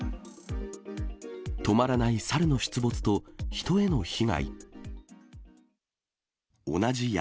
止まらない猿の出没と人への被害。